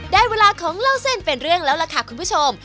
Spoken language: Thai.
ได้เวลาของเล่าเส้นเป็นเรื่องแล้วล่ะค่ะคุณผู้ชม